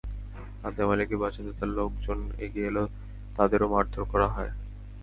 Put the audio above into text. হাতেম আলীকে বাঁচাতে তাঁর লোকজন এগিয়ে এলে তাঁদেরও মারধর করা হয়।